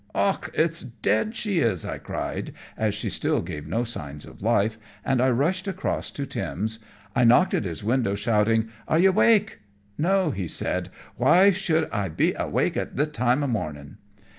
"Och, it's dead she is," I cried, as she still gave no signs of life, and I rushed across to Tim's. I knocked at his window, shouting, "Are you awake?" "No," he said; "why should I be awake at this time o'morning?"